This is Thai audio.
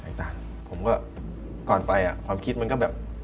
แต่งต่างผมกว่าก่อนไปความคิดมันก็แบบ